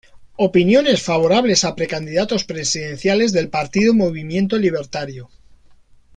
Opiniones favorables a precandidatos presidenciales del Partido Movimiento Libertario